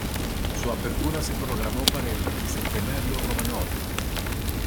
Su apertura se programó para el Tricentenario Romanov.